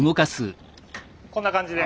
こんな感じで。